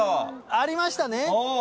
ありましたね。